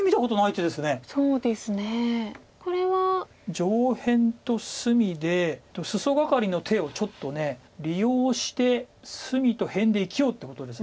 上辺と隅でスソガカリの手をちょっと利用して隅と辺で生きようってことです。